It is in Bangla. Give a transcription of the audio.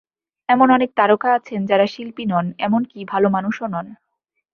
এমন অনেক তারকা আছেন, যাঁরা শিল্পী নন, এমনকি ভালো মানুষও নন।